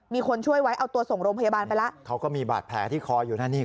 มีคนช่วยไว้เอาตัวส่งโรงพยาบาลไปแล้วเขาก็มีบาดแผลที่คออยู่นั่นนี่